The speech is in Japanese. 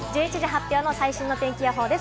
発表の最新の天気予報です。